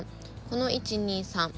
この１２３。